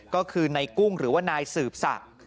ก็คือนายกุ้งหรือว่านายสืบศักดิ์